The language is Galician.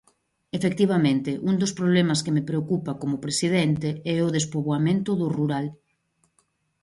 Efectivamente, un dos problemas que me preocupa como presidente é o despoboamento do rural.